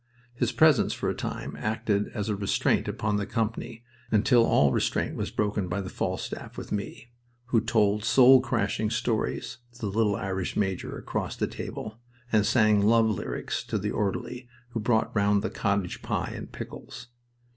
His presence for a time acted as a restraint upon the company, until all restraint was broken by the Falstaff with me, who told soul crashing stories to the little Irish major across the table and sang love lyrics to the orderly who brought round the cottage pie and pickles.